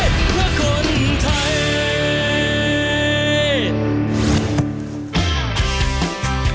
เราจะเชียร์บนไทย